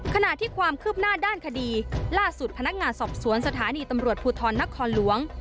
ขณะที่ความคืบหน้าด้านคดีล่าสุดพนักงานสอบสวนสถานีตำรวจภูทรนครหลวง